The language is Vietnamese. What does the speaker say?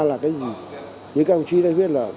là cái gì những cao trí đây biết là